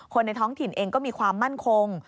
ในท้องถิ่นเองก็มีความมั่นคง